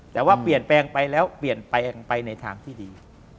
แต่ว่าเปลี่ยนแปลงไปแล้วเปลี่ยนแปลงไปในทางที่ดี